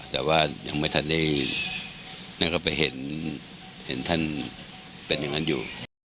แต่ว่ายังไม่ทันได้นั่นก็ไปเห็นท่านเป็นอย่างนั้นอยู่